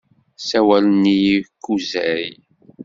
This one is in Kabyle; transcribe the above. Ssawalen-iyi Kuzey.